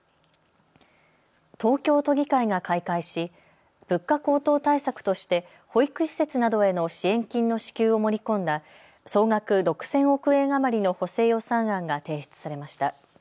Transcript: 東京都議会が開会し物価高騰対策として保育施設などへの支援金の支給を盛り込んだ総額６０００億円余りの補正予算案が提出されました。